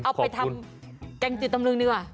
เอาไปทำแกงจืดตำลึงดีกว่า